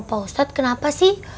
pak ustadz kenapa sih